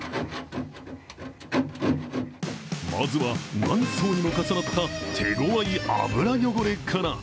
まずは、何層にも重なった手ごわい油汚れから。